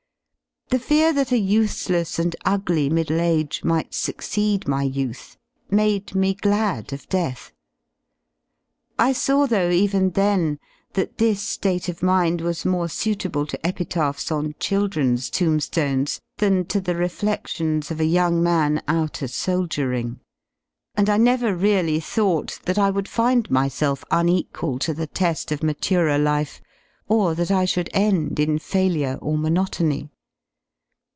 The fear that a useless and ugly middle age 1 \^^ might succeed my youth made me glad oFHeath. Fsaw, \t) though, even then, that this ^atc of mind was more suitable . to epitaphs on children's tomb^ones than to the reflexions i of a young man out a soldiering : and Inever really thought I that I would find myself unequal to the te^ ofmaturer life, 9 \i or that I should end in failure or monotony.